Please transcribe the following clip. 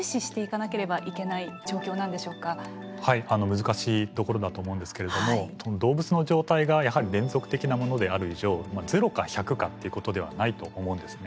難しいところだと思うんですけれども動物の状態がやはり連続的なものである以上０か１００かっていうことではないと思うんですね。